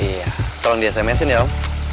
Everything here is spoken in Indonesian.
iya tolong di sms in ya om